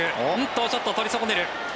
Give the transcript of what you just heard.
ちょっととり損ねる。